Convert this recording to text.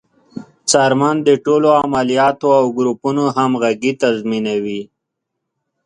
څارمن د ټولو عملیاتو او ګروپونو همغږي تضمینوي.